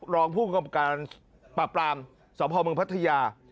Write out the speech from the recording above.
รองผู้กำกับการปราบปรามสพเมืองพัทยา